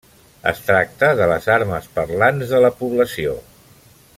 Es tracta de les armes parlants de la població.